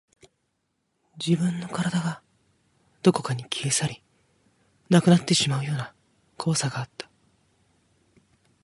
自分の体がどこかに消え去り、なくなってしまうような怖さがあった